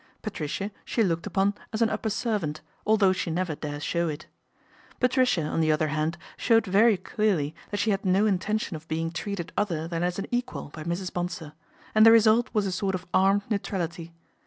Patricia she looked upon as an upper servant, although she never dare show it. Patricia, on the other hand, showed very clearly that she had no intention of being treated other than as an equal by Mrs. Bonsor, and the result was a sort of armed neutrality.